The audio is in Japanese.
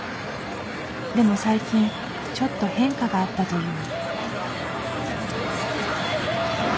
でも最近ちょっと変化があったという。